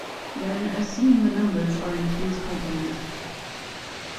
Then, assume the numbers are in two's complement.